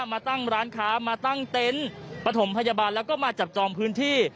มาตั้งร้านค้ามาตั้งเต็นต์ปฐมพยาบาลแล้วก็มาจับจองพื้นที่